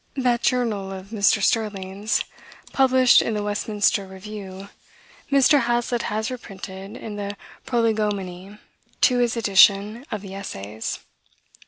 That Journal of Mr. Sterling's, published in the Westminster Review, Mr. Hazlitt has reprinted in the Prolegomenae to his edition of the Essays.